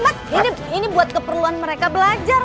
mak ini buat keperluan mereka belajar